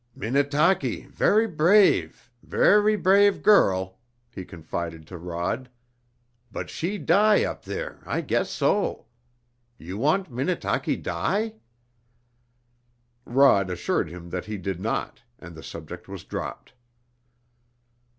"Minnetaki ver' brave ver' brave girl," he confided to Rod, "but she die up there, I guess so! You want Minnetaki die?" Rod assured him that he did not, and the subject was dropped.